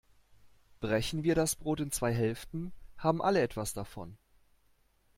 Brechen wir das Brot in zwei Hälften, haben alle etwas davon.